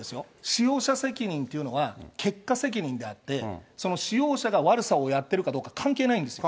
使用者責任というのは、結果責任であって、その使用者が悪さをやってるかどうか、関係ないんですよ。